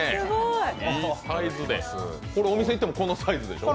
お店行ってもこのサイズでしょ。